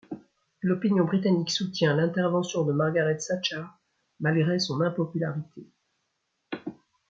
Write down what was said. L'opinion britannique soutient l'intervention de Margaret Thatcher malgré son impopularité.